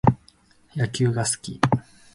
野球が好き